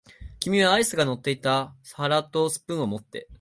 君はアイスが乗っていた皿とスプーンを持って、